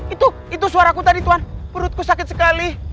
itu itu suara aku tadi tuan perutku sakit sekali